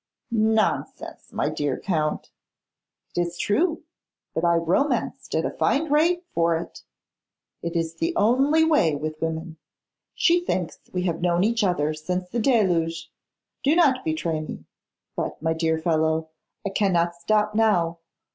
'Nonsense, my dear Count' 'It is true; but I romanced at a fine rate for it. It is the only way with women. She thinks we have known each other since the Deluge. Do not betray me. But, my dear fellow, I cannot stop now.